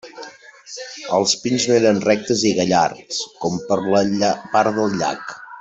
Els pins no eren rectes i gallards, com per la part del llac.